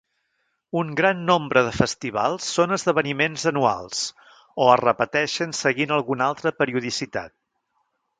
Un gran nombre de festivals són esdeveniments anuals, o es repeteixen seguint alguna altra periodicitat.